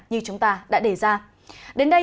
như chúng ta đã đề ra đến đây